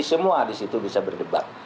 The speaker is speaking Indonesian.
semua disitu bisa berdebat